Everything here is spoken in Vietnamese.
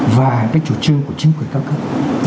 và cái chủ trương của chính quyền cao cấp